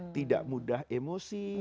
tidak mudah emosi